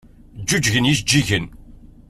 Ǧǧuǧgen yijeǧǧigen.